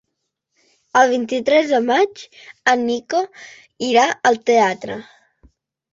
El vint-i-tres de maig en Nico irà al teatre.